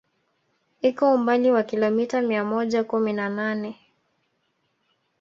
Iko umbali wa kilomita mia moja kumi na nane